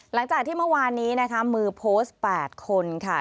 หลังจากที่เมื่อวานนี้นะคะมือโพสต์๘คนค่ะ